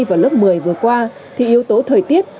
vào lớp một mươi vừa qua thì yếu tố thời tiết